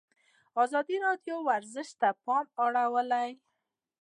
ازادي راډیو د ورزش ته پام اړولی.